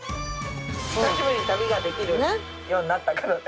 久しぶりに旅ができるようになったからね。